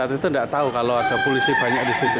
itu tidak tahu kalau ada polisi banyak di situ